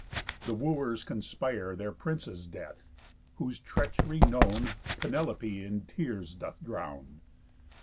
The Wooers conspire Their prince's death. Whose treach'ry known, Penelope in tears doth drown.